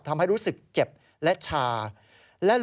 ทำให้รู้สึกเจ็บและชา